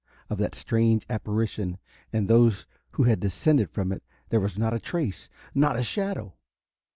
Of that strange apparition and those who had descended from it there was not a trace, not a shadow!